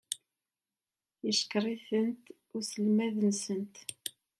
Yeckeṛ-itent-id uselmad-nsent.